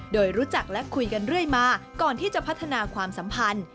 โดยรู้จักและคุยกันเรื่อยมาก่อนที่จะพัฒนาความสัมพันธ์